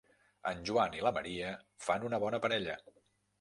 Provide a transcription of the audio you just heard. En Joan i la Maria fan una bona parella.